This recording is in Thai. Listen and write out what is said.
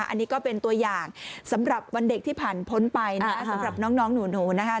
อันนี้ก็เป็นตัวอย่างสำหรับวันเด็กที่ผ่านพ้นไปนะสำหรับน้องหนูนะคะ